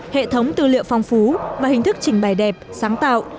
hệ thống tư liệu phong phú và hình thức trình bày đẹp sáng tạo